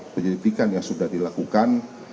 penyelidikan yang sudah dilakukan